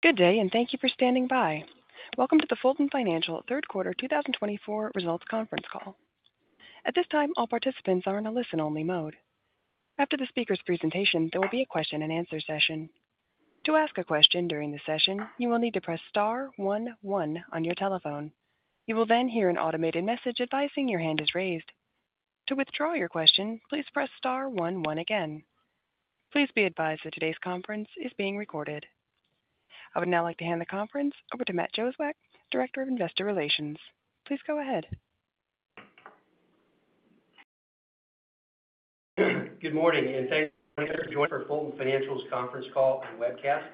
Good day, and thank you for standing by. Welcome to the Fulton Financial Third Quarter two thousand and twenty-four Results Conference Call. At this time, all participants are in a listen-only mode. After the speaker's presentation, there will be a question-and-answer session. To ask a question during the session, you will need to press star one one on your telephone. You will then hear an automated message advising your hand is raised. To withdraw your question, please press star one one again. Please be advised that today's conference is being recorded. I would now like to hand the conference over to Matt Jozwiak, Director of Investor Relations. Please go ahead. Good morning, and thank you for joining our Fulton Financial's conference call and webcast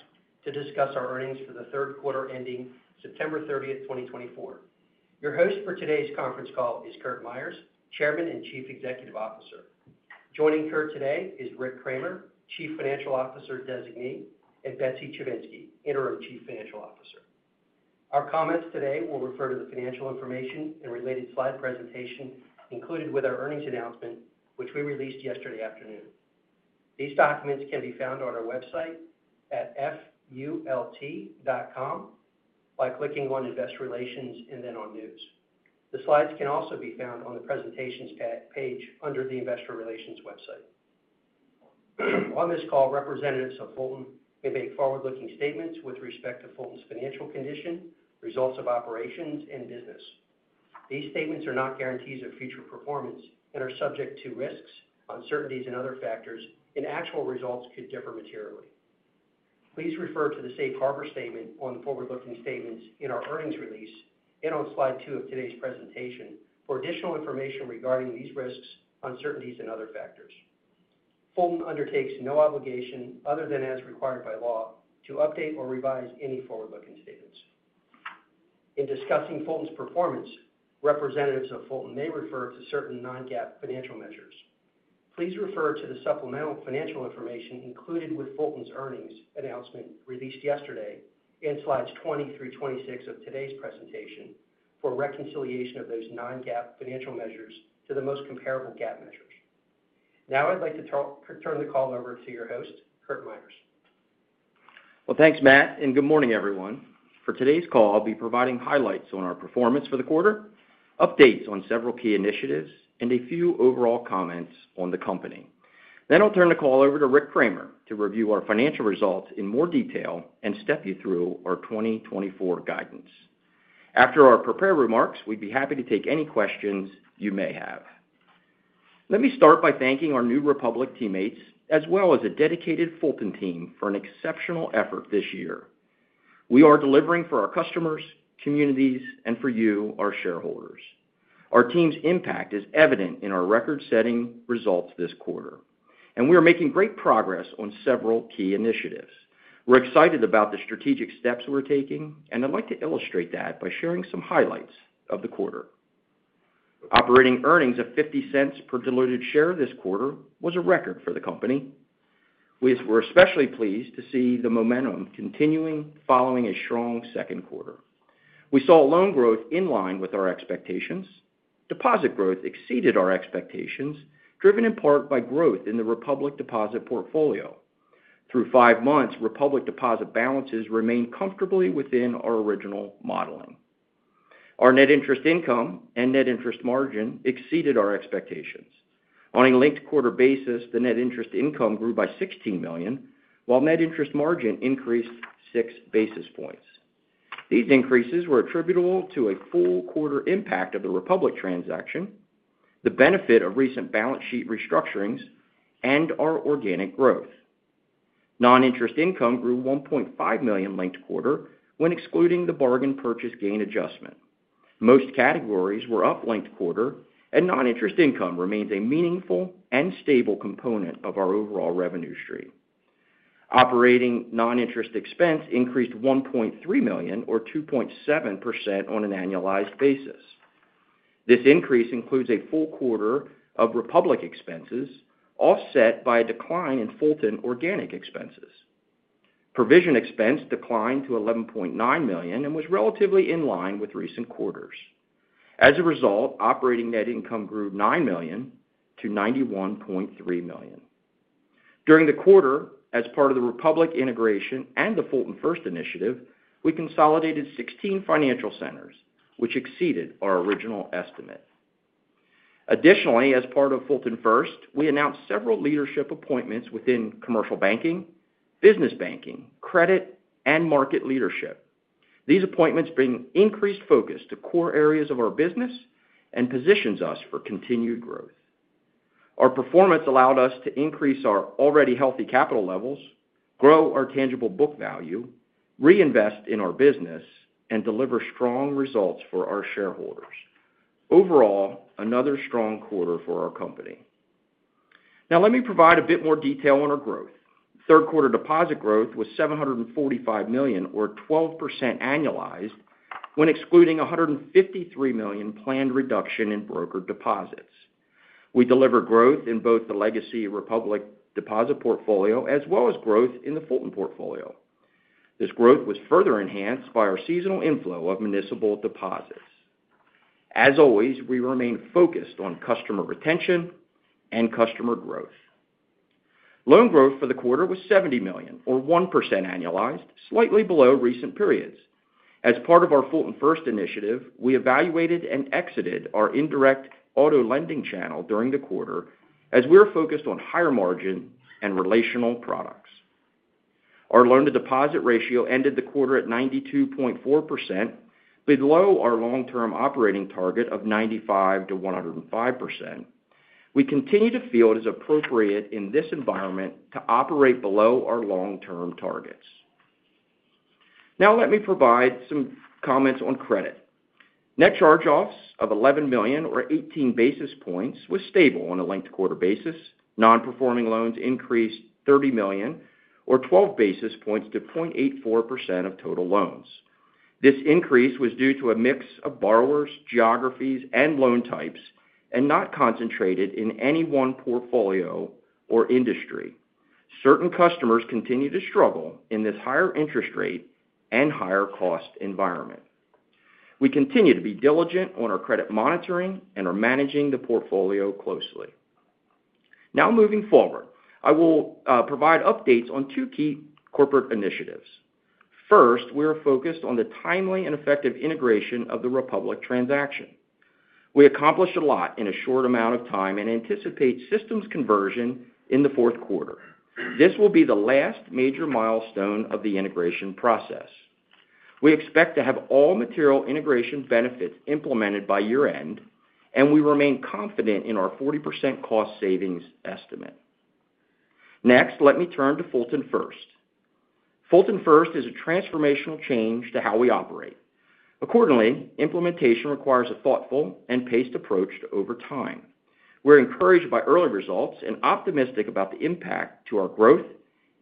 to discuss our earnings for the third quarter ending September thirtieth, 2024. Your host for today's conference call is Curt Myers, Chairman and Chief Executive Officer. Joining Curt today is Rick Kraemer, Chief Financial Officer Designee, and Betsy Chivinski, Interim Chief Financial Officer. Our comments today will refer to the financial information and related slide presentation included with our earnings announcement, which we released yesterday afternoon. These documents can be found on our website at fult.com by clicking on Investor Relations and then on News. The slides can also be found on the presentations page under the Investor Relations website. On this call, representatives of Fulton may make forward-looking statements with respect to Fulton's financial condition, results of operations, and business. These statements are not guarantees of future performance and are subject to risks, uncertainties, and other factors, and actual results could differ materially. Please refer to the safe harbor statement on forward-looking statements in our earnings release and on slide two of today's presentation for additional information regarding these risks, uncertainties, and other factors. Fulton undertakes no obligation, other than as required by law, to update or revise any forward-looking statements. In discussing Fulton's performance, representatives of Fulton may refer to certain non-GAAP financial measures. Please refer to the supplemental financial information included with Fulton's earnings announcement released yesterday in slides twenty through twenty-six of today's presentation for a reconciliation of those non-GAAP financial measures to the most comparable GAAP measures. Now I'd like to turn the call over to your host, Curt Myers. Well, thanks, Matt, and good morning, everyone. For today's call, I'll be providing highlights on our performance for the quarter, updates on several key initiatives, and a few overall comments on the company. Then I'll turn the call over to Rick Kraemer to review our financial results in more detail and step you through our 2024 guidance. After our prepared remarks, we'd be happy to take any questions you may have. Let me start by thanking our new Republic teammates, as well as a dedicated Fulton team, for an exceptional effort this year. We are delivering for our customers, communities, and for you, our shareholders. Our team's impact is evident in our record-setting results this quarter, and we are making great progress on several key initiatives. We're excited about the strategic steps we're taking, and I'd like to illustrate that by sharing some highlights of the quarter. Operating earnings of $0.50 per diluted share this quarter was a record for the company. We're especially pleased to see the momentum continuing following a strong second quarter. We saw loan growth in line with our expectations. Deposit growth exceeded our expectations, driven in part by growth in the Republic deposit portfolio. Through five months, Republic deposit balances remain comfortably within our original modeling. Our net interest income and net interest margin exceeded our expectations. On a linked quarter basis, the net interest income grew by $16 million, while net interest margin increased six basis points. These increases were attributable to a full quarter impact of the Republic transaction, the benefit of recent balance sheet restructurings, and our organic growth. Non-interest income grew 1.5 million linked quarter when excluding the bargain purchase gain adjustment. Most categories were up, linked quarter, and non-interest income remains a meaningful and stable component of our overall revenue stream. Operating non-interest expense increased $1.3 million or 2.7% on an annualized basis. This increase includes a full quarter of Republic expenses, offset by a decline in Fulton organic expenses. Provision expense declined to $11.9 million and was relatively in line with recent quarters. As a result, operating net income grew $9 million to $91.3 million. During the quarter, as part of the Republic integration and the Fulton First initiative, we consolidated 16 financial centers, which exceeded our original estimate. Additionally, as part of Fulton First, we announced several leadership appointments within commercial banking, business banking, credit, and market leadership. These appointments bring increased focus to core areas of our business and positions us for continued growth. Our performance allowed us to increase our already healthy capital levels, grow our tangible book value, reinvest in our business, and deliver strong results for our shareholders. Overall, another strong quarter for our company. Now, let me provide a bit more detail on our growth. Third quarter deposit growth was $745 million or 12% annualized when excluding $153 million planned reduction in brokered deposits. We delivered growth in both the legacy Republic deposit portfolio as well as growth in the Fulton portfolio. This growth was further enhanced by our seasonal inflow of municipal deposits. As always, we remain focused on customer retention and customer growth. Loan growth for the quarter was $70 million, or 1% annualized, slightly below recent periods. As part of our Fulton First initiative, we evaluated and exited our indirect auto lending channel during the quarter, as we are focused on higher margin and relational products. Our loan-to-deposit ratio ended the quarter at 92.4%, below our long-term operating target of 95%-105%. We continue to feel it is appropriate in this environment to operate below our long-term targets. Now let me provide some comments on credit. Net charge-offs of $11 million or 18 basis points was stable on a linked quarter basis. Non-performing loans increased $30 million or 12 basis points to 0.84% of total loans. This increase was due to a mix of borrowers, geographies, and loan types, and not concentrated in any one portfolio or industry. Certain customers continue to struggle in this higher interest rate and higher cost environment. We continue to be diligent on our credit monitoring and are managing the portfolio closely. Now, moving forward, I will provide updates on two key corporate initiatives. First, we are focused on the timely and effective integration of the Republic transaction. We accomplished a lot in a short amount of time and anticipate systems conversion in the fourth quarter. This will be the last major milestone of the integration process. We expect to have all material integration benefits implemented by year-end, and we remain confident in our 40% cost savings estimate. Next, let me turn to Fulton First. Fulton First is a transformational change to how we operate. Accordingly, implementation requires a thoughtful and paced approach over time. We're encouraged by early results and optimistic about the impact to our growth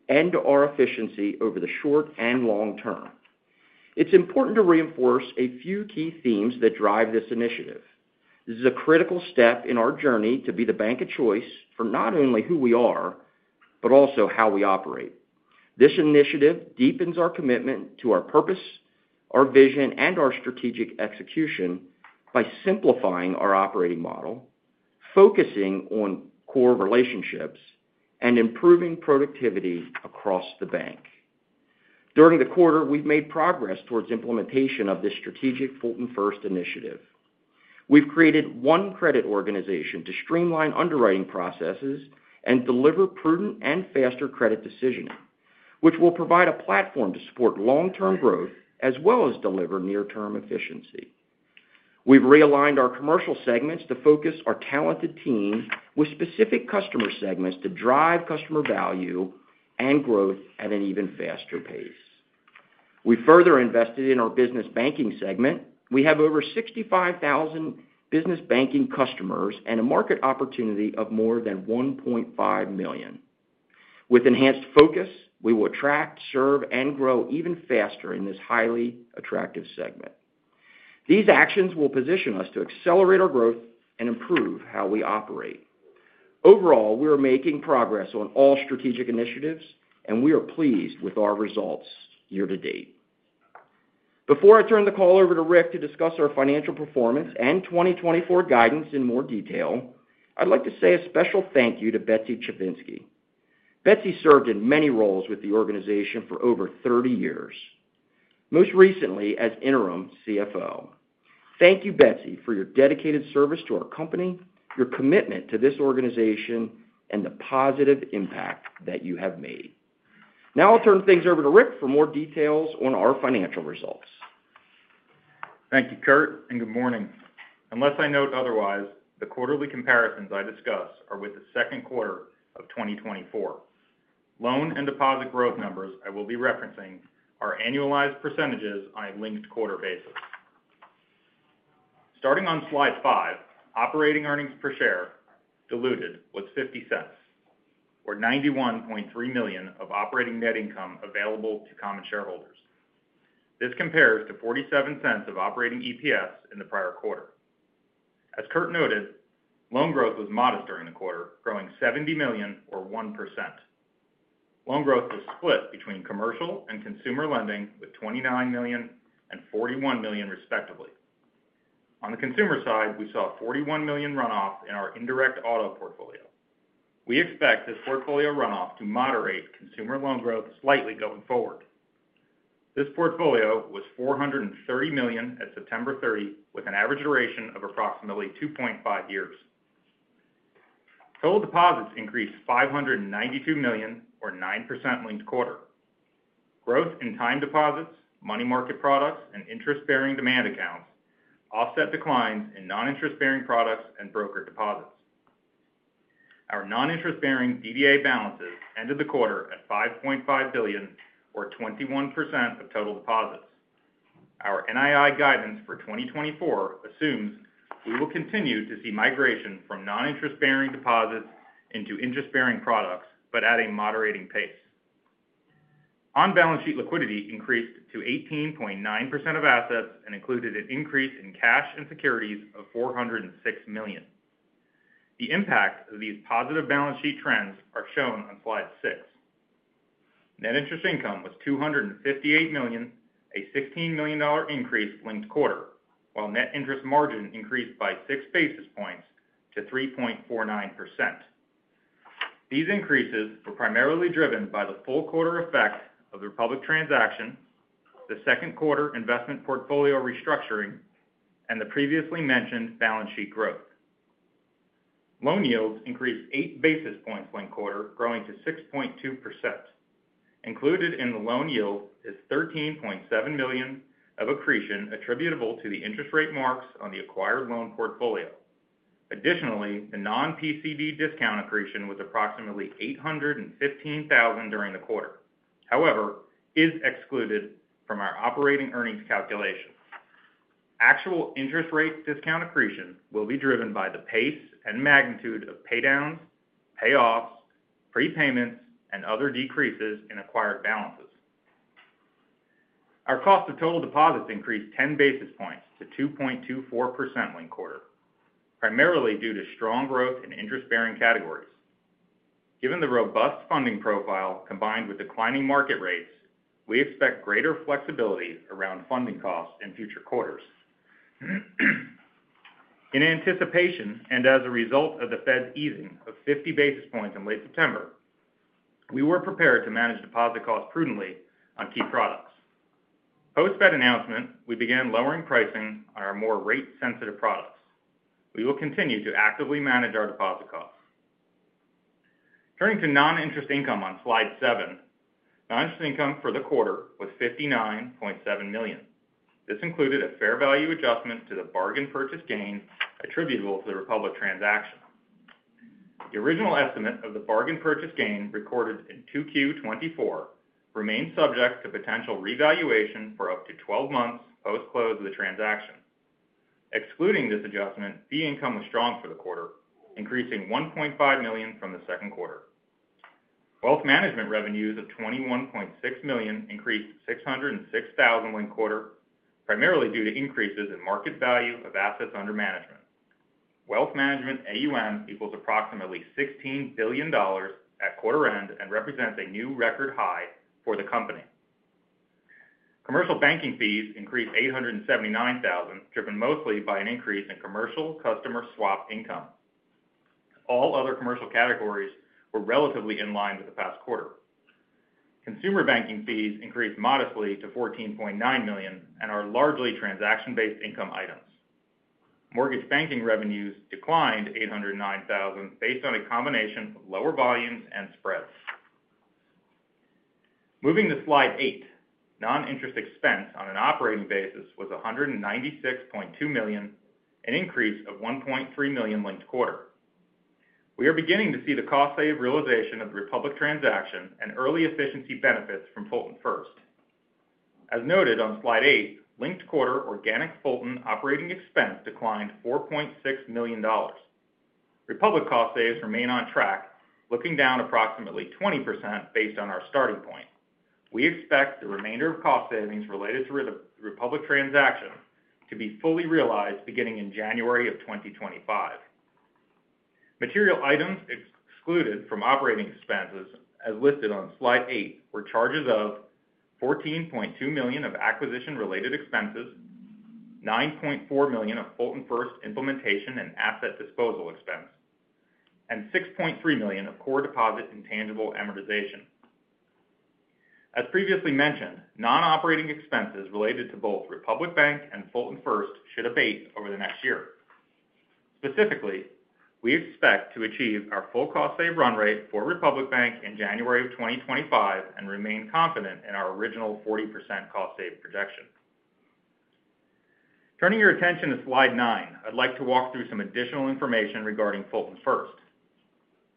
and to our efficiency over the short and long term. It's important to reinforce a few key themes that drive this initiative. This is a critical step in our journey to be the bank of choice for not only who we are, but also how we operate. This initiative deepens our commitment to our purpose, our vision, and our strategic execution by simplifying our operating model, focusing on core relationships, and improving productivity across the bank. During the quarter, we've made progress towards implementation of this strategic Fulton First initiative. We've created one credit organization to streamline underwriting processes and deliver prudent and faster credit decisioning, which will provide a platform to support long-term growth as well as deliver near-term efficiency. We've realigned our commercial segments to focus our talented team with specific customer segments to drive customer value and growth at an even faster pace. We further invested in our business banking segment. We have over 65,000 business banking customers and a market opportunity of more than 1.5 million. With enhanced focus, we will attract, serve, and grow even faster in this highly attractive segment. These actions will position us to accelerate our growth and improve how we operate. Overall, we are making progress on all strategic initiatives, and we are pleased with our results year to date. Before I turn the call over to Rick to discuss our financial performance and 2024 guidance in more detail, I'd like to say a special thank you to Betsy Chivinski. Betsy served in many roles with the organization for over 30 years, most recently as Interim CFO. Thank you, Betsy, for your dedicated service to our company, your commitment to this organization, and the positive impact that you have made. Now I'll turn things over to Rick for more details on our financial results. Thank you, Curt, and good morning. Unless I note otherwise, the quarterly comparisons I discuss are with the second quarter of 2024. Loan and deposit growth numbers I will be referencing are annualized percentages on a linked quarter basis. Starting on slide five, operating earnings per share diluted was $0.50, or $91.3 million of operating net income available to common shareholders. This compares to $0.47 of operating EPS in the prior quarter. As Curt noted, loan growth was modest during the quarter, growing $70 million or 1%. Loan growth was split between commercial and consumer lending, with $29 million and $41 million, respectively. On the consumer side, we saw a $41 million runoff in our indirect auto portfolio. We expect this portfolio runoff to moderate consumer loan growth slightly going forward. This portfolio was $430 million at September 30, with an average duration of approximately 2.5 years. Total deposits increased $592 million or 9% linked quarter. Growth in time deposits, money market products, and interest-bearing demand accounts offset declines in non-interest-bearing products and brokered deposits. Our non-interest-bearing DDA balances ended the quarter at $5.5 billion or 21% of total deposits. Our NII guidance for 2024 assumes we will continue to see migration from non-interest-bearing deposits into interest-bearing products, but at a moderating pace. On-balance sheet liquidity increased to 18.9% of assets and included an increase in cash and securities of $406 million. The impact of these positive balance sheet trends are shown on slide 6. Net interest income was $258 million, a $16 million increase linked quarter, while net interest margin increased by six basis points to 3.49%. These increases were primarily driven by the full quarter effect of the Republic transaction, the second quarter investment portfolio restructuring, and the previously mentioned balance sheet growth. Loan yields increased eight basis points linked quarter, growing to 6.2%. Included in the loan yield is $13.7 million of accretion attributable to the interest rate marks on the acquired loan portfolio. Additionally, the non-PCD discount accretion was approximately $815,000 during the quarter. However, is excluded from our operating earnings calculation. Actual interest rate discount accretion will be driven by the pace and magnitude of pay downs, payoffs, prepayments, and other decreases in acquired balances. Our cost of total deposits increased 10 basis points to 2.24% linked quarter, primarily due to strong growth in interest-bearing categories. Given the robust funding profile combined with declining market rates, we expect greater flexibility around funding costs in future quarters. In anticipation, and as a result of the Fed's easing of 50 basis points in late September, we were prepared to manage deposit costs prudently on key products. Post Fed announcement, we began lowering pricing on our more rate-sensitive products. We will continue to actively manage our deposit costs. Turning to non-interest income on Slide seven. Non-interest income for the quarter was $59.7 million. This included a fair value adjustment to the bargain purchase gain attributable to the Republic transaction. The original estimate of the bargain purchase gain recorded in 2Q 2024 remains subject to potential revaluation for up to twelve months post close of the transaction. Excluding this adjustment, fee income was strong for the quarter, increasing $1.5 million from the second quarter. Wealth management revenues of $21.6 million increased $606,000 linked quarter, primarily due to increases in market value of assets under management. Wealth management AUM equals approximately $16 billion at quarter end and represents a new record high for the company. Commercial banking fees increased $879,000, driven mostly by an increase in commercial customer swap income. All other commercial categories were relatively in line with the past quarter. Consumer banking fees increased modestly to $14.9 million and are largely transaction-based income items. Mortgage banking revenues declined $809,000 based on a combination of lower volumes and spreads. Moving to Slide 8. Non-interest expense on an operating basis was $196.2 million, an increase of $1.3 million linked quarter. We are beginning to see the cost save realization of the Republic transaction and early efficiency benefits from Fulton First. As noted on Slide 8, linked quarter organic Fulton operating expense declined $4.6 million. Republic cost saves remain on track, looking down approximately 20% based on our starting point. We expect the remainder of cost savings related to the Republic transaction to be fully realized beginning in January 2025. Material items excluded from operating expenses, as listed on Slide 8, were charges of $14.2 million of acquisition-related expenses, $9.4 million of Fulton First implementation and asset disposal expense, and $6.3 million of core deposit intangible amortization. As previously mentioned, non-operating expenses related to both Republic Bank and Fulton First should abate over the next year. Specifically, we expect to achieve our full cost savings run rate for Republic Bank in January 2025 and remain confident in our original 40% cost savings projection. Turning your attention to Slide 9, I'd like to walk through some additional information regarding Fulton First.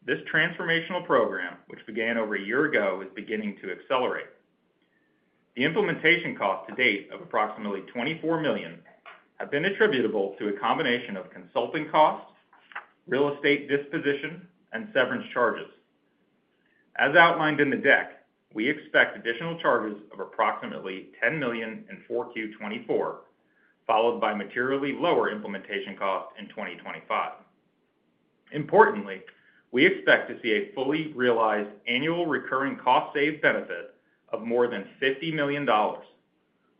This transformational program, which began over a year ago, is beginning to accelerate. The implementation costs to date of approximately $24 million have been attributable to a combination of consulting costs, real estate disposition, and severance charges. As outlined in the deck, we expect additional charges of approximately $10 million in 4Q 2024, followed by materially lower implementation costs in 2025. Importantly, we expect to see a fully realized annual recurring cost save benefit of more than $50 million.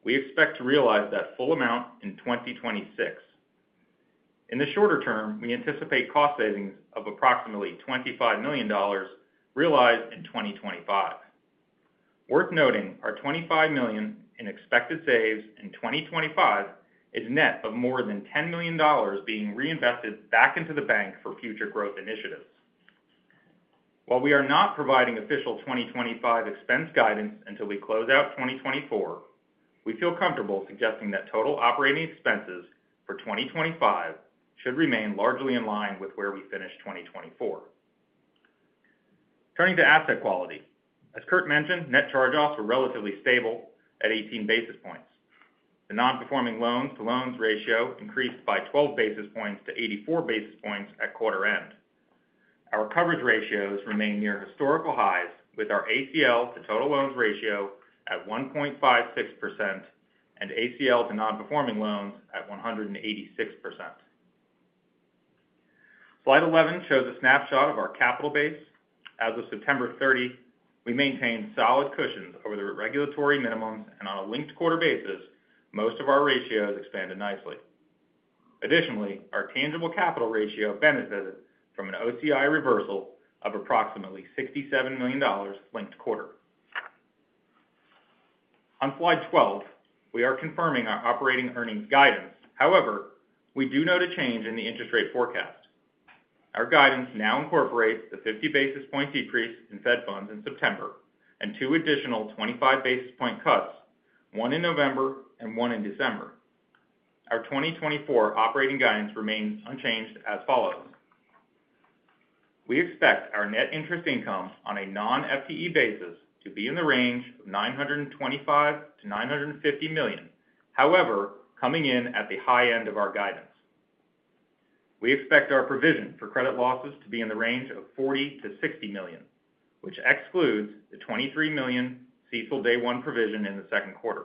We expect to realize that full amount in 2026. In the shorter term, we anticipate cost savings of approximately $25 million realized in 2025. Worth noting, our $25 million in expected saves in 2025 is net of more than $10 million being reinvested back into the bank for future growth initiatives. While we are not providing official 2025 expense guidance until we close out 2024, we feel comfortable suggesting that total operating expenses for 2025 should remain largely in line with where we finished 2024. Turning to asset quality. As Curt mentioned, net charge-offs were relatively stable at 18 basis points. The non-performing loans to loans ratio increased by 12 basis points to 84 basis points at quarter end. Our coverage ratios remain near historical highs, with our ACL to total loans ratio at 1.56% and ACL to non-performing loans at 186%.... Slide 11 shows a snapshot of our capital base. As of September 30, we maintained solid cushions over the regulatory minimums, and on a linked quarter basis, most of our ratios expanded nicely. Additionally, our tangible capital ratio benefited from an OCI reversal of approximately $67 million linked quarter. On slide 12, we are confirming our operating earnings guidance. However, we do note a change in the interest rate forecast. Our guidance now incorporates the 50 basis point decrease in Fed funds in September and two additional 25 basis point cuts, one in November and one in December. Our 2024 operating guidance remains unchanged as follows: We expect our net interest income on a non-FTE basis to be in the range of $925 million-$950 million. However, coming in at the high end of our guidance. We expect our provision for credit losses to be in the range of $40 million-$60 million, which excludes the $23 million CECL day one provision in the second quarter.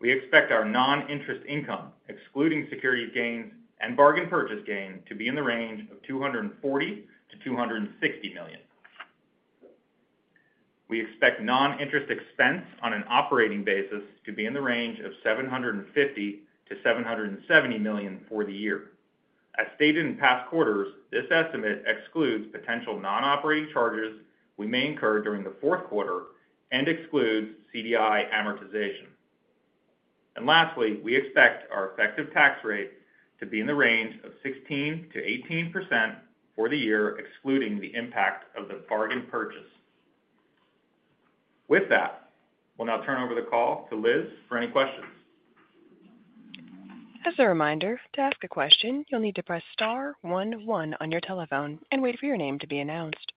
We expect our non-interest income, excluding securities gains and bargain purchase gain, to be in the range of $240 million-$260 million. We expect non-interest expense on an operating basis to be in the range of $750-$770 million for the year. As stated in past quarters, this estimate excludes potential non-operating charges we may incur during the fourth quarter and excludes CDI amortization. And lastly, we expect our effective tax rate to be in the range of 16%-18% for the year, excluding the impact of the bargain purchase. With that, we'll now turn over the call to Liz for any questions. As a reminder, to ask a question, you'll need to press star one one on your telephone and wait for your name to be announced.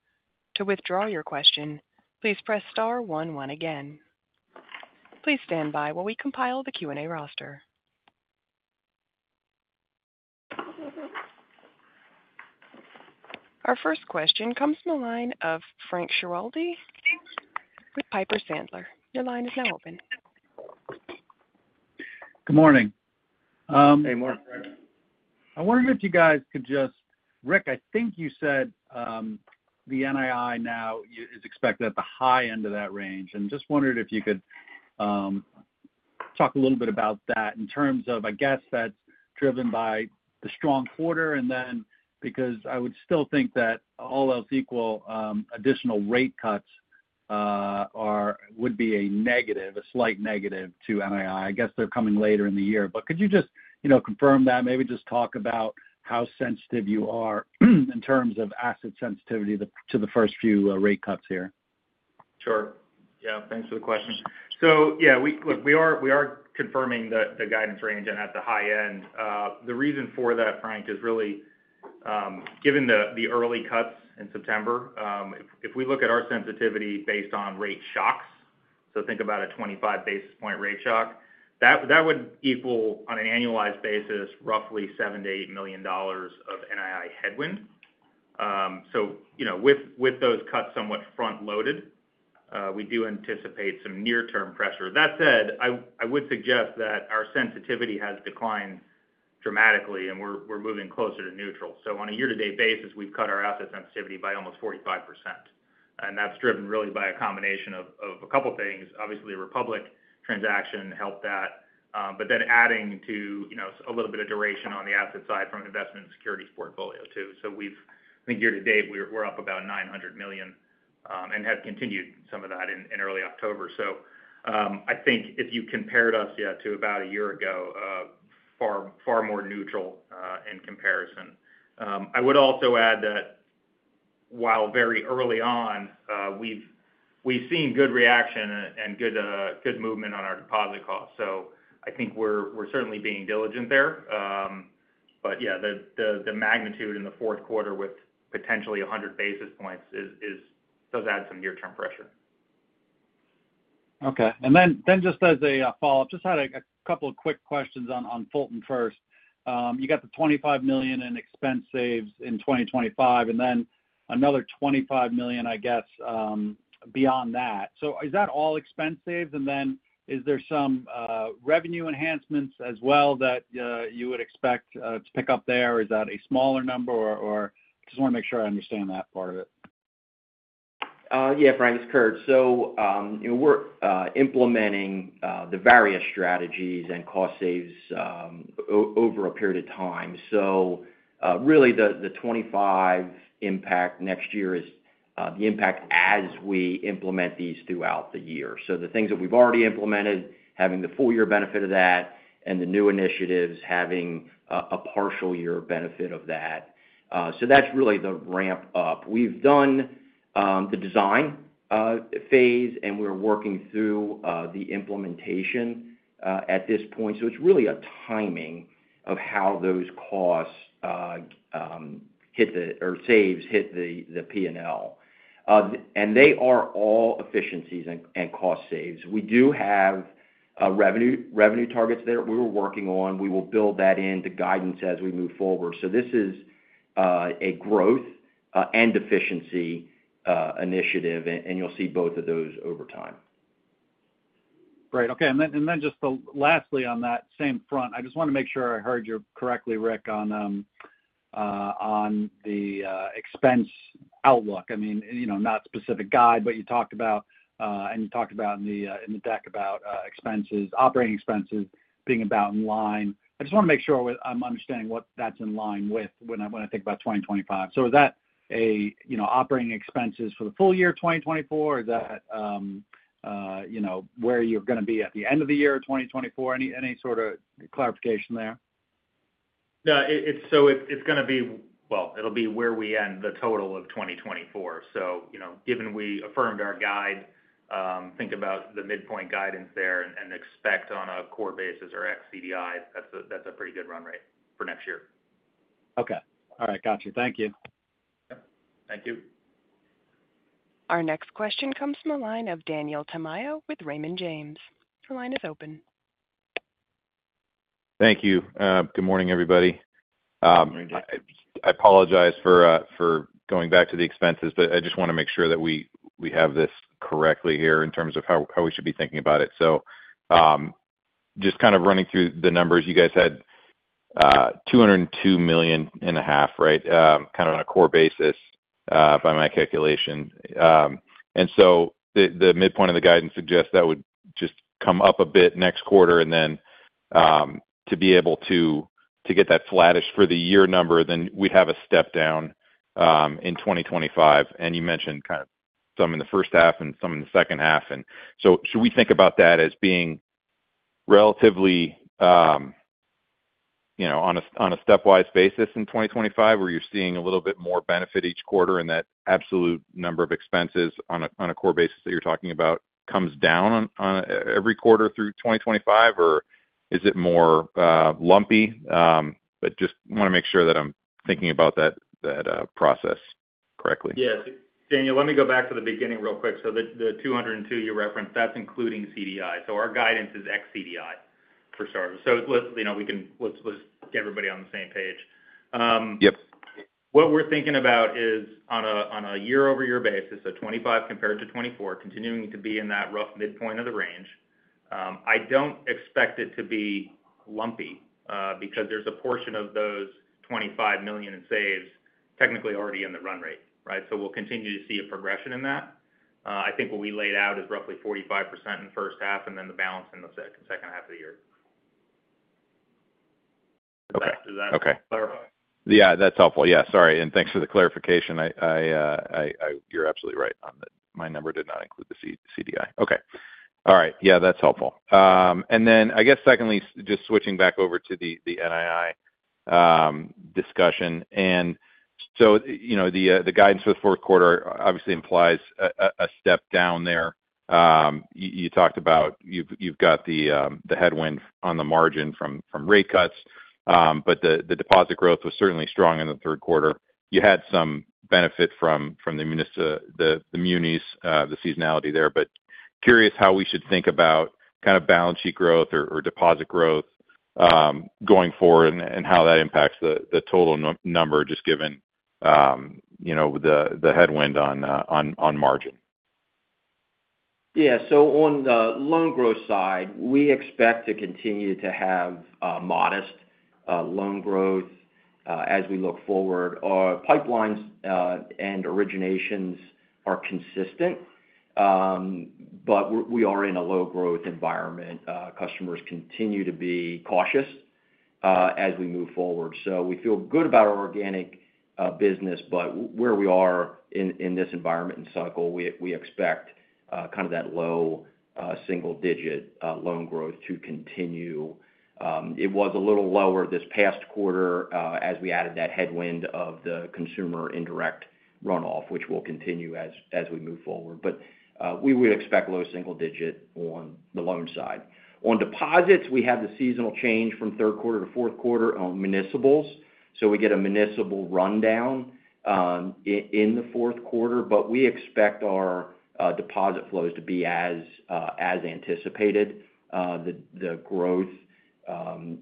To withdraw your question, please press star one one again. Please stand by while we compile the Q&A roster. Our first question comes from the line of Frank Schiraldi with Piper Sandler. Your line is now open. Good morning. Hey, morning, Frank. I wondered if you guys could just Rick, I think you said, the NII now is expected at the high end of that range, and just wondered if you could talk a little bit about that in terms of, I guess, that's driven by the strong quarter, and then because I would still think that all else equal, additional rate cuts are, would be a negative, a slight negative to NII. I guess they're coming later in the year, but could you just, you know, confirm that? Maybe just talk about how sensitive you are in terms of asset sensitivity to the, to the first few rate cuts here. Sure. Yeah, thanks for the question. So, yeah, look, we are confirming the guidance range and at the high end. The reason for that, Frank, is really given the early cuts in September, if we look at our sensitivity based on rate shocks, so think about a 25 basis point rate shock, that would equal, on an annualized basis, roughly $7 million-$8 million of NII headwind. So, you know, with those cuts somewhat front-loaded, we do anticipate some near-term pressure. That said, I would suggest that our sensitivity has declined dramatically, and we're moving closer to neutral. So on a year-to-date basis, we've cut our asset sensitivity by almost 45%, and that's driven really by a combination of a couple things. Obviously, Republic transaction helped that, but then adding to, you know, a little bit of duration on the asset side from investment securities portfolio, too. So we've, I think year to date, we're up about $900 million, and have continued some of that in early October. So, I think if you compared us, yeah, to about a year ago, far, far more neutral, in comparison. I would also add that while very early on, we've seen good reaction and good movement on our deposit costs. So I think we're certainly being diligent there. But yeah, the magnitude in the fourth quarter with potentially 100 basis points is does add some near-term pressure. Okay. And then just as a follow-up, I just had a couple of quick questions on Fulton First. You got the $25 million in expense saves in 2025, and then another $25 million, I guess, beyond that. So is that all expense saves? And then is there some revenue enhancements as well that you would expect to pick up there? Is that a smaller number or... Just want to make sure I understand that part of it. Yeah, Frank, it's Curt. So, you know, we're implementing the various strategies and cost saves over a period of time. So, really, the twenty-five impact next year is the impact as we implement these throughout the year. So the things that we've already implemented, having the full year benefit of that and the new initiatives having a partial year benefit of that. So that's really the ramp up. We've done the design phase, and we're working through the implementation at this point. So it's really a timing of how those costs or saves hit the PNL. And they are all efficiencies and cost saves. We do have revenue targets that we were working on. We will build that in the guidance as we move forward. So this is a growth and efficiency initiative, and you'll see both of those over time.... Right. Okay, and then just lastly on that same front, I just want to make sure I heard you correctly, Rick, on the expense outlook. I mean, you know, not specific guide, but you talked about, and you talked about in the deck about expenses, operating expenses being about in line. I just want to make sure I'm understanding what that's in line with when I think about twenty twenty-five. So is that, you know, operating expenses for the full year of 2024, or is that, you know, where you're going to be at the end of the year of 2024? Any sort of clarification there? No, it's – so it's gonna be... Well, it'll be where we end the total of 2024. So, you know, given we affirmed our guide, think about the midpoint guidance there and expect on a core basis or ex CDI, that's a pretty good run rate for next year. Okay. All right, got you. Thank you. Yep. Thank you. Our next question comes from the line of Daniel Tamayo with Raymond James. Your line is open. Thank you. Good morning, everybody. Good morning, Daniel. I apologize for going back to the expenses, but I just want to make sure that we have this correctly here in terms of how we should be thinking about it. So, just kind of running through the numbers, you guys had $202.5 million, right? Kind of on a core basis, by my calculation. And so the midpoint of the guidance suggests that would just come up a bit next quarter, and then to get that flattish for the year number, then we'd have a step down in 2025. And you mentioned kind of some in the first half and some in the second half, and so should we think about that as being relatively, you know, on a stepwise basis in twenty twenty-five, where you're seeing a little bit more benefit each quarter, and that absolute number of expenses on a core basis that you're talking about comes down on an every quarter through twenty twenty-five, or is it more, lumpy? But just want to make sure that I'm thinking about that process correctly. Yes. Daniel, let me go back to the beginning real quick. So the two hundred and two you referenced, that's including CDI. So our guidance is ex CDI for starters. So let's, you know, let's get everybody on the same page. Yep. What we're thinking about is on a, on a year-over-year basis, so 2025 compared to 2024, continuing to be in that rough midpoint of the range. I don't expect it to be lumpy, because there's a portion of those 25 million in savings technically already in the run rate, right? So we'll continue to see a progression in that. I think what we laid out is roughly 45% in the first half, and then the balance in the second half of the year. Okay. Does that clarify? Yeah, that's helpful. Yeah, sorry, and thanks for the clarification. I... You're absolutely right on that. My number did not include the CDI. Okay. All right. Yeah, that's helpful. And then I guess secondly, just switching back over to the NII discussion. And so, you know, the guidance for the fourth quarter obviously implies a step down there. You talked about you've got the headwind on the margin from rate cuts, but the deposit growth was certainly strong in the third quarter. You had some benefit from the munici- the munis, the seasonality there, but curious how we should think about kind of balance sheet growth or deposit growth going forward, and how that impacts the total nu- number, just given you know the headwind on margin. Yeah. So on the loan growth side, we expect to continue to have modest loan growth as we look forward. Our pipelines and originations are consistent, but we are in a low growth environment. Customers continue to be cautious as we move forward. So we feel good about our organic business, but where we are in this environment and cycle, we expect kind of that low single digit loan growth to continue. It was a little lower this past quarter as we added that headwind of the consumer indirect runoff, which will continue as we move forward. But we would expect low single digit on the loan side. On deposits, we have the seasonal change from third quarter to fourth quarter on municipals, so we get a municipal rundown in the fourth quarter. But we expect our deposit flows to be as anticipated. The growth,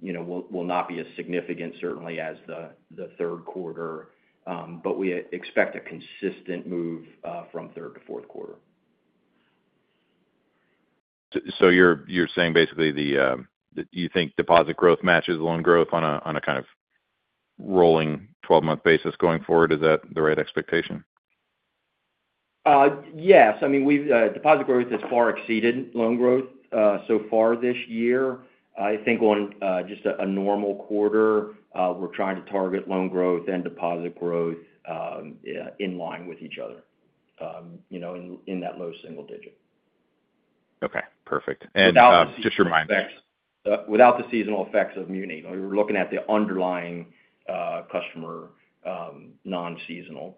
you know, will not be as significant certainly as the third quarter, but we expect a consistent move from third to fourth quarter. So you're saying basically you think deposit growth matches loan growth on a kind of rolling twelve-month basis going forward? Is that the right expectation? Yes. I mean, deposit growth has far exceeded loan growth so far this year. I think on just a normal quarter, we're trying to target loan growth and deposit growth in line with each other, you know, in that low single digit. Okay, perfect. And, just remind me- Without the seasonal effects of muni, we're looking at the underlying customer non-seasonal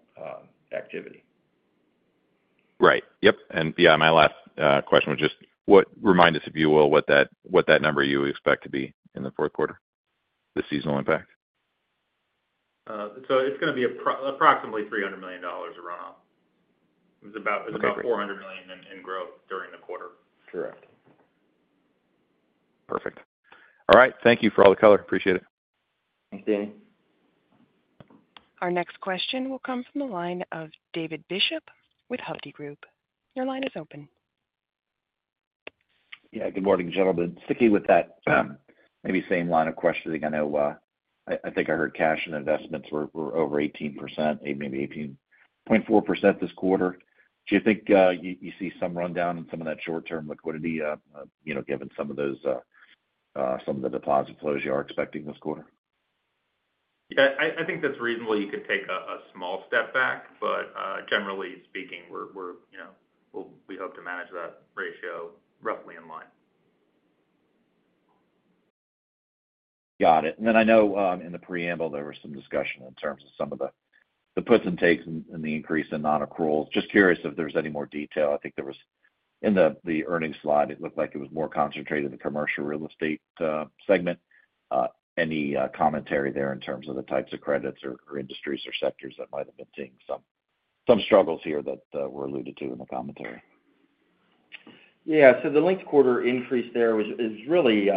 activity. Right. Yep, and yeah, my last question was just what, remind us, if you will, what that number you expect to be in the fourth quarter, the seasonal impact? It's gonna be approximately $300 million of runoff. Okay. It was about $400 million in growth during the quarter. Correct. Perfect. All right. Thank you for all the color. Appreciate it. Thanks, Danny. Our next question will come from the line of David Bishop with Hovde Group. Your line is open. Yeah, good morning, gentlemen. Sticking with that, maybe same line of questioning. I know, I think I heard cash and investments were over 18%, maybe 18.4% this quarter. Do you think, you see some rundown in some of that short-term liquidity, you know, given some of those, some of the deposit flows you are expecting this quarter? Yeah, I think that's reasonable. You could take a small step back, but generally speaking, we're, you know, we'll, we hope to manage that ratio roughly in line. Got it. And then I know, in the preamble, there was some discussion in terms of some of the, the puts and takes and, and the increase in nonaccruals. Just curious if there's any more detail. I think there was... In the, the earnings slide, it looked like it was more concentrated in the commercial real estate segment. Any commentary there in terms of the types of credits or, or industries or sectors that might have been seeing some, some struggles here that were alluded to in the commentary? Yeah, so the linked quarter increase there was, is really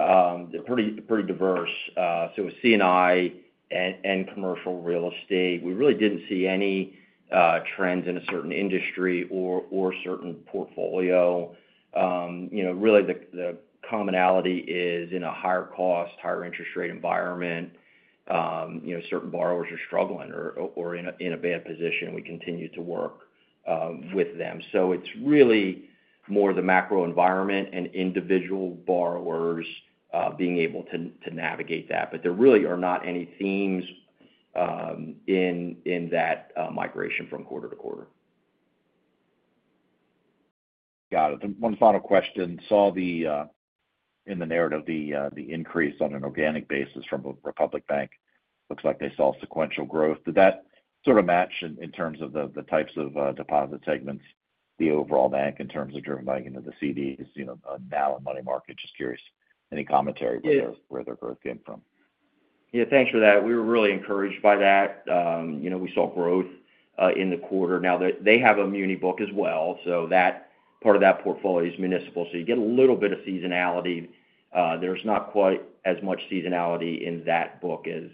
pretty diverse. So it was C&I and commercial real estate. We really didn't see any trends in a certain industry or certain portfolio. You know, really, the commonality is in a higher cost, higher interest rate environment. You know, certain borrowers are struggling or in a bad position. We continue to work with them. So it's really more the macro environment and individual borrowers being able to navigate that. But there really are not any themes in that migration from quarter to quarter. Got it. One final question. Saw the in the narrative, the increase on an organic basis from Republic Bank. Looks like they saw sequential growth. Did that sort of match in terms of the types of deposit segments, the overall bank, in terms of driven by, you know, the CDs, you know, now and money market? Just curious, any commentary where their growth came from. Yeah, thanks for that. We were really encouraged by that. You know, we saw growth in the quarter. Now, they have a muni book as well, so that part of that portfolio is municipal. So you get a little bit of seasonality. There's not quite as much seasonality in that book as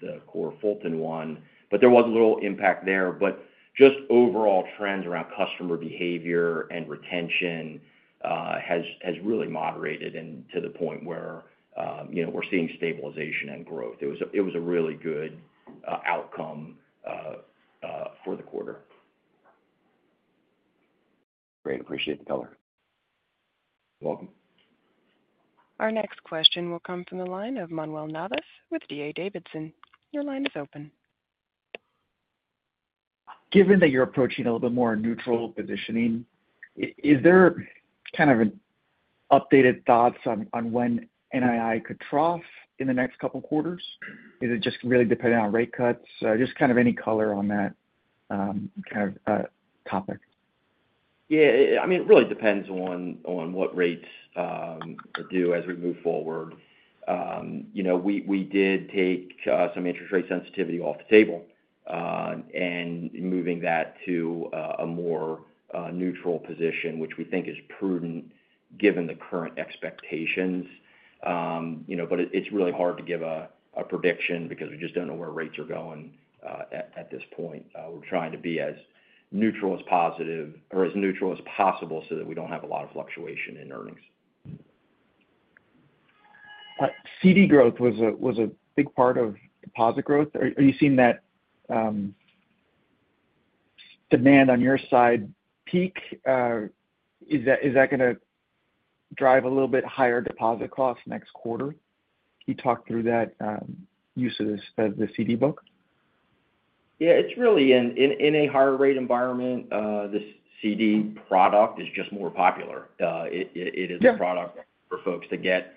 the core Fulton one, but there was a little impact there. But just overall trends around customer behavior and retention has really moderated and to the point where, you know, we're seeing stabilization and growth. It was a really good outcome for the quarter. Great. Appreciate the color. You're welcome. Our next question will come from the line of Manuel Navas with D.A. Davidson. Your line is open. Given that you're approaching a little bit more neutral positioning, is there kind of an updated thoughts on when NII could trough in the next couple quarters? Is it just really depending on rate cuts? Just kind of any color on that, kind of, topic. Yeah, I mean, it really depends on what rates do as we move forward. You know, we did take some interest rate sensitivity off the table and moving that to a more neutral position, which we think is prudent, given the current expectations. You know, but it's really hard to give a prediction because we just don't know where rates are going at this point. We're trying to be as neutral as positive or as neutral as possible so that we don't have a lot of fluctuation in earnings. CD growth was a big part of deposit growth. Are you seeing that demand on your side peak? Is that gonna drive a little bit higher deposit costs next quarter? Can you talk through that use of the CD book? Yeah, it's really in a higher rate environment, the CD product is just more popular. It- Yeah. It is a product for folks to get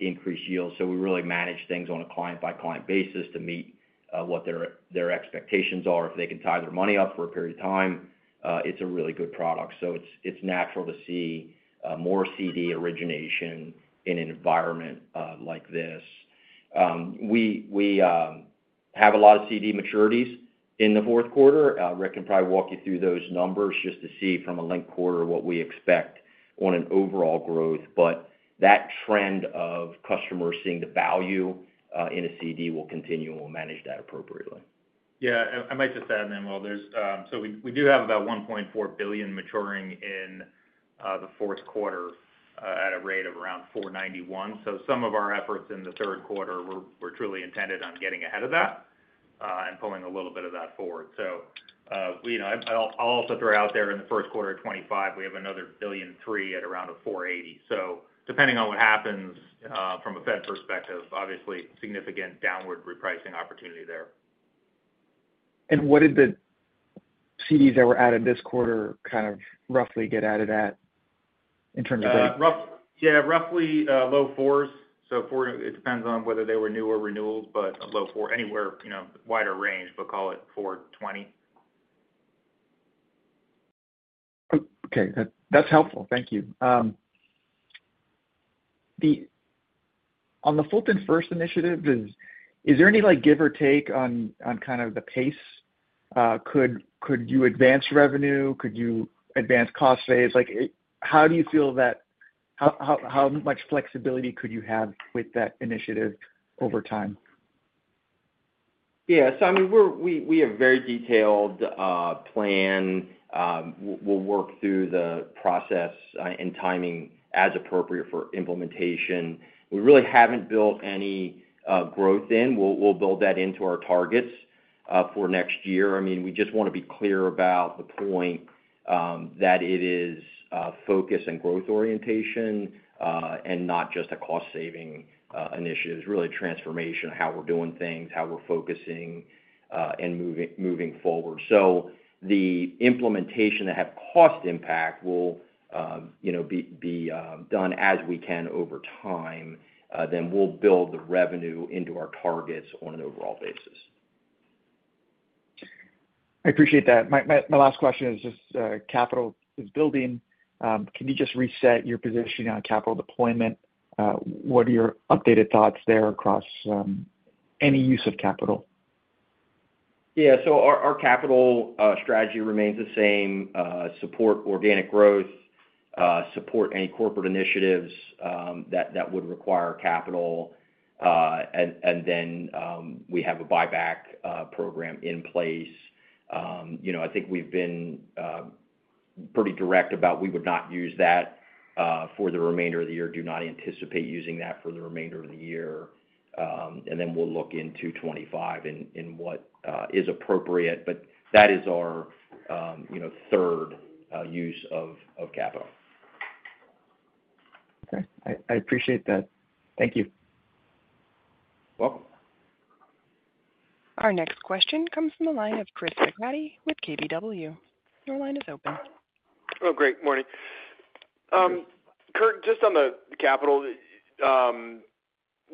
increased yields. So we really manage things on a client-by-client basis to meet what their expectations are. If they can tie their money up for a period of time, it's a really good product. So it's natural to see more CD origination in an environment like this. We have a lot of CD maturities in the fourth quarter. Rick can probably walk you through those numbers just to see from a linked quarter what we expect on an overall growth. But that trend of customers seeing the value in a CD will continue, and we'll manage that appropriately. Yeah, I might just add, Manuel, there's. So we do have about $1.4 billion maturing in the fourth quarter at a rate of around 4.91%. So some of our efforts in the third quarter were truly intended on getting ahead of that and pulling a little bit of that forward. So you know, I'll also throw out there in the first quarter of 2025, we have another $1.3 billion at around a 4.80%. So depending on what happens from a Fed perspective, obviously, significant downward repricing opportunity there. And what did the CDs that were added this quarter kind of roughly get added at in terms of? Roughly low fours. So four. It depends on whether they were new or renewals, but a low four, anywhere, you know, wider range, but call it four twenty. Oh, okay. That's helpful. Thank you. On the Fulton First initiative, is there any, like, give or take on kind of the pace? Could you advance revenue? Could you advance cost saves? Like, how do you feel that, how much flexibility could you have with that initiative over time? Yeah, so I mean, we have very detailed plan. We'll work through the process and timing as appropriate for implementation. We really haven't built any growth in. We'll build that into our targets for next year. I mean, we just want to be clear about the point that it is focus and growth orientation and not just a cost-saving initiative. It's really a transformation of how we're doing things, how we're focusing and moving forward. So the implementation that have cost impact will, you know, be done as we can over time. Then we'll build the revenue into our targets on an overall basis. I appreciate that. My last question is just, capital is building. Can you just reset your positioning on capital deployment? What are your updated thoughts there across, any use of capital? Yeah, so our capital strategy remains the same, support organic growth, support any corporate initiatives that would require capital. And then we have a buyback program in place. You know, I think we've been pretty direct about we would not use that for the remainder of the year. Do not anticipate using that for the remainder of the year. And then we'll look into 2025 and what is appropriate. But that is our, you know, third use of capital. Okay. I appreciate that. Thank you. Welcome. Our next question comes from the line of Chris McGratty with KBW. Your line is open. Good morning. Curt, just on the capital,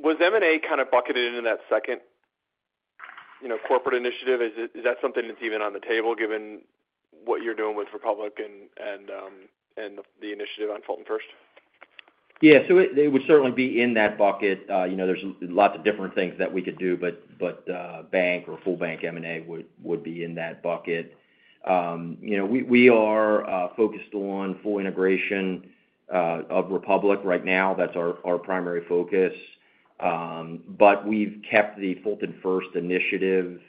was M&A kind of bucketed into that second, you know, corporate initiative? Is that something that's even on the table, given what you're doing with Republic and the initiative on Fulton First? Yeah, so it would certainly be in that bucket. You know, there's lots of different things that we could do, but bank or full bank M&A would be in that bucket. You know, we are focused on full integration of Republic right now. That's our primary focus. But we've kept the Fulton First initiative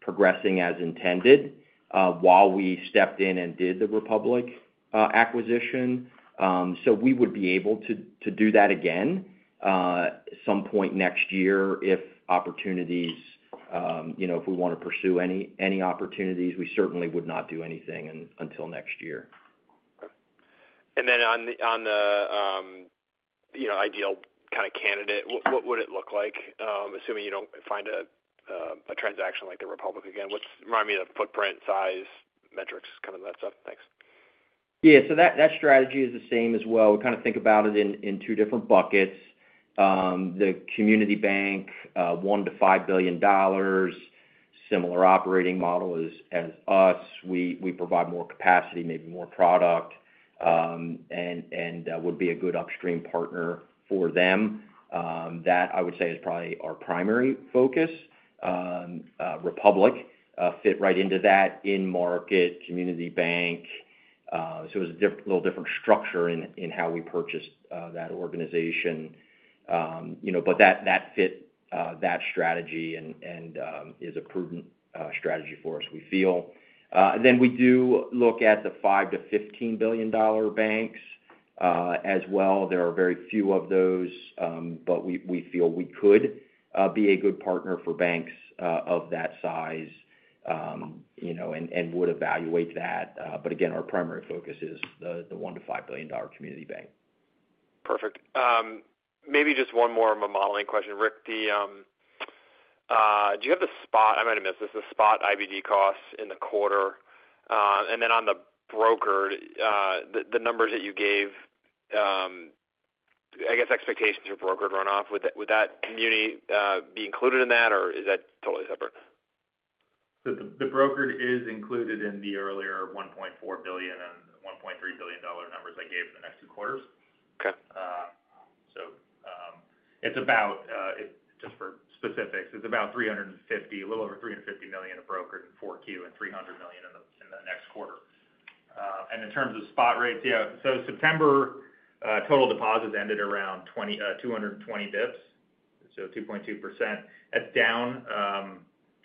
progressing as intended while we stepped in and did the Republic acquisition. So we would be able to do that again some point next year if opportunities you know, if we want to pursue any opportunities, we certainly would not do anything until next year. And then on the, you know, ideal kind of candidate, what would it look like, assuming you don't find a transaction like the Republic again? What's -- remind me of footprint, size, metrics, kind of that stuff. Thanks. Yeah, so that, that strategy is the same as well. We kind of think about it in two different buckets. The community bank, one to five billion dollars, similar operating model as us. We provide more capacity, maybe more product, and would be a good upstream partner for them. That, I would say, is probably our primary focus. Republic fit right into that in market community bank. So it was a little different structure in how we purchased that organization. You know, but that fit that strategy and is a prudent strategy for us, we feel. Then we do look at the five to 15 billion dollar banks as well. There are very few of those, but we feel we could be a good partner for banks of that size, you know, and would evaluate that. But again, our primary focus is the one- to five-billion-dollar community bank. Perfect. Maybe just one more of a modeling question. Rick, do you have the spot IBD costs in the quarter? I might have missed this. And then on the brokered, the numbers that you gave, I guess, expectations for brokered run off, would that commentary be included in that, or is that totally separate? The brokered is included in the earlier $1.4 billion and $1.3 billion numbers I gave for the next two quarters. Okay. So, it's about, just for specifics, it's about three hundred and fifty, a little over three hundred and fifty million of brokered in 4Q and three hundred million in the, in the next quarter. And in terms of spot rates, yeah, so September total deposits ended around two hundred and twenty basis points, so 2.2%. That's down,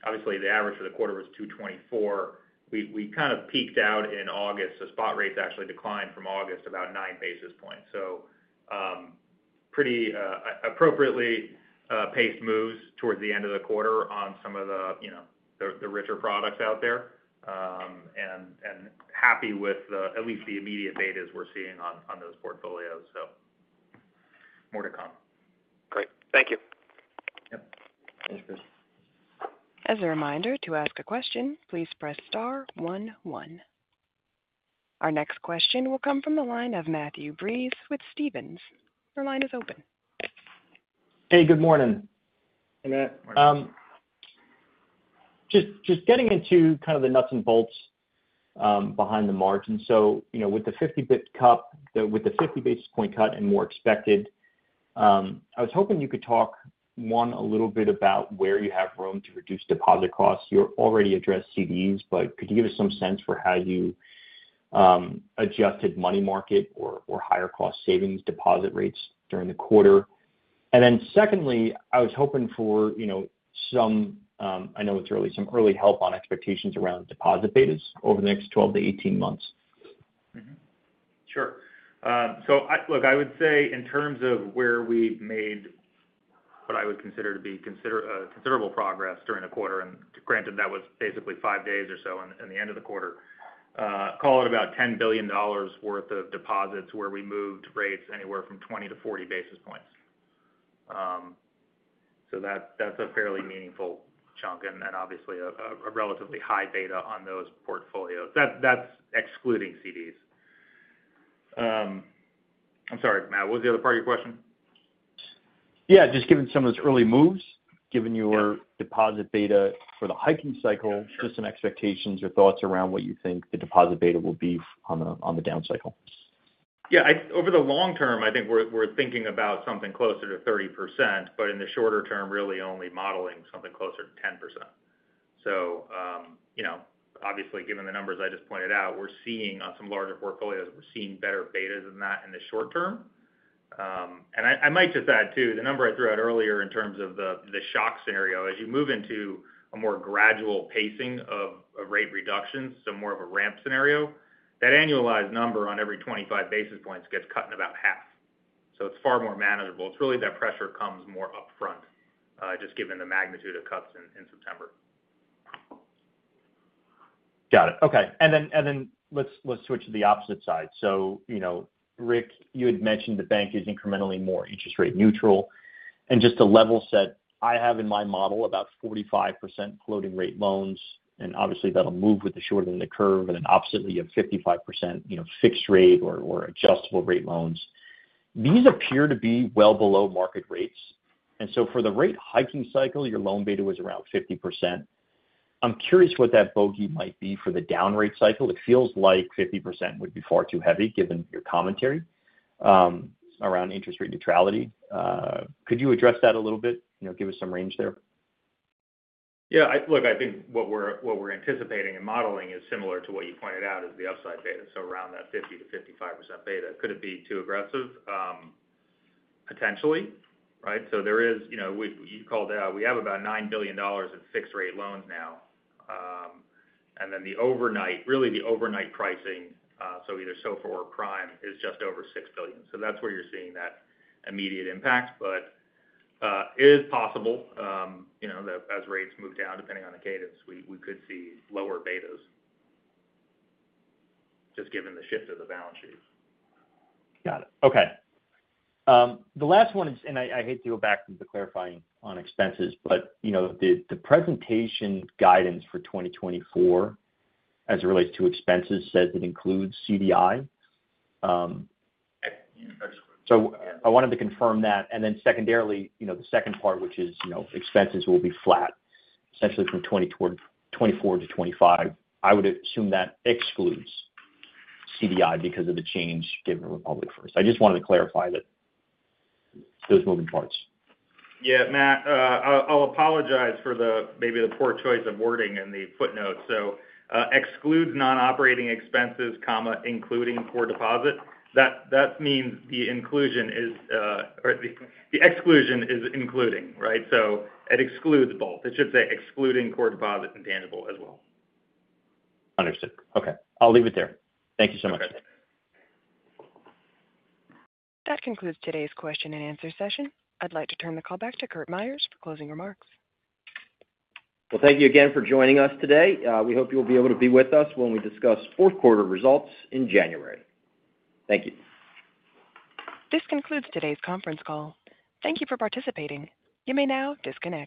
obviously, the average for the quarter was 224. We kind of peaked out in August. The spot rates actually declined from August, about nine basis points. So, pretty appropriately paced moves towards the end of the quarter on some of the, you know, the, the richer products out there. And happy with the, at least the immediate betas we're seeing on those portfolios. So more to come. Great. Thank you. Yep. Thanks, Chris. As a reminder, to ask a question, please press star one, one. Our next question will come from the line of Matthew Breese with Stephens. Your line is open. Hey, good morning. Hey, Matt. Morning. Just getting into kind of the nuts and bolts behind the margin. So, you know, with the 50 basis point cut and more expected, I was hoping you could talk, one, a little bit about where you have room to reduce deposit costs. You already addressed CDs, but could you give us some sense for how you adjusted money market or higher cost savings deposit rates during the quarter? And then secondly, I was hoping for, you know, some, I know it's early, some early help on expectations around deposit betas over the next 12 to 18 months. Mm-hmm. Sure. So I look, I would say in terms of where we've made what I would consider to be considerable progress during the quarter, and granted, that was basically five days or so in the end of the quarter, call it about $10 billion worth of deposits, where we moved rates anywhere from 20-40 basis points. So that, that's a fairly meaningful chunk and obviously a relatively high beta on those portfolios. That's excluding CDs. I'm sorry, Matt, what was the other part of your question? Yeah, just given some of those early moves, given your deposit beta for the hiking cycle- Yeah, sure. Just some expectations or thoughts around what you think the deposit beta will be on the down cycle. Yeah, I over the long term, I think we're thinking about something closer to 30%, but in the shorter term, really only modeling something closer to 10%. So you know, obviously, given the numbers I just pointed out, we're seeing on some larger portfolios, we're seeing better betas than that in the short term. And I might just add, too, the number I threw out earlier in terms of the shock scenario, as you move into a more gradual pacing of rate reductions, so more of a ramp scenario, that annualized number on every 25 basis points gets cut in about half. So it's far more manageable. It's really that pressure comes more upfront, just given the magnitude of cuts in September. Got it. Okay. And then let's switch to the opposite side. So, you know, Rick, you had mentioned the bank is incrementally more interest rate neutral. And just to level set, I have in my model about 45% floating rate loans, and obviously that'll move with the shortening of the curve, and then oppositely, you have 55%, you know, fixed rate or adjustable rate loans. These appear to be well below market rates. And so for the rate hiking cycle, your loan beta was around 50%. I'm curious what that bogey might be for the down rate cycle. It feels like 50% would be far too heavy, given your commentary around interest rate neutrality. Could you address that a little bit? You know, give us some range there. Yeah, look, I think what we're anticipating and modeling is similar to what you pointed out is the upside beta, so around that 50%-55% beta. Could it be too aggressive? Potentially, right? So there is, you know, you called out, we have about $9 billion in fixed rate loans now. And then the overnight, really the overnight pricing, so either SOFR or Prime, is just over $6 billion. So that's where you're seeing that immediate impact. But, it is possible, you know, that as rates move down, depending on the cadence, we could see lower betas, just given the shift of the balance sheets. Got it. Okay. The last one is, and I hate to go back to the clarifying on expenses, but, you know, the presentation guidance for 2024, as it relates to expenses, says it includes CDI. That's correct. So I wanted to confirm that. And then secondarily, you know, the second part, which is, you know, expenses will be flat, essentially from 2024 to 2025. I would assume that excludes CDI because of the change given Republic First. I just wanted to clarify that, those moving parts. Yeah, Matt, I'll apologize for maybe the poor choice of wording in the footnote. So, exclude non-operating expenses, comma, including core deposit. That means the inclusion is, or the exclusion is including, right? So it excludes both. It should say excluding core deposit intangible as well. Understood. Okay. I'll leave it there. Thank you so much. Okay. That concludes today's question and answer session. I'd like to turn the call back to Curt Myers for closing remarks. Thank you again for joining us today. We hope you'll be able to be with us when we discuss fourth quarter results in January. Thank you. This concludes today's conference call. Thank you for participating. You may now disconnect.